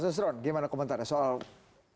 kalau dia ngetot baik ela mau menekan yg ditelurkan